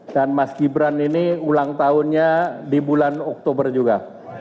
dan mas gibran ini ulang tahunnya di bulan oktober juga